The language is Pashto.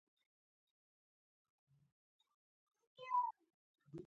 د اجتماعي مناسباتو د تنظیم لپاره یې قرارداد ته هڅوي.